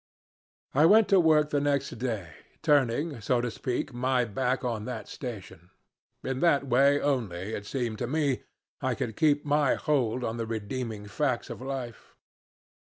"I went to work the next day, turning, so to speak, my back on that station. In that way only it seemed to me I could keep my hold on the redeeming facts of life.